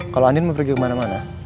kalau andin mau pergi kemana mana